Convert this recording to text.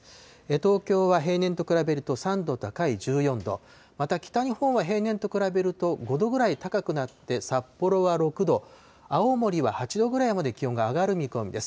東京は平年と比べると３度高い１４度、また北日本は平年と比べると５度くらい高くなって、札幌は６度、青森は８度ぐらいまで気温が上がる見込みです。